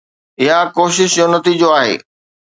اها ڪوشش جو نتيجو آهي.